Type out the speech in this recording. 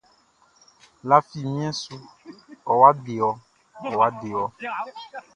Lafi mien su, ɔwa dewɔ, ɔwa dewɔ!